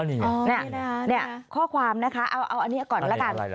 นี่ข้อความนะคะเอาอันนี้ก่อนละกัน